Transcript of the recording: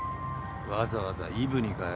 わざわざイブにかよ。